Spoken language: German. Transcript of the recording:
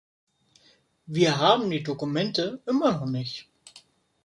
Wir haben die Dokumente immer noch nicht.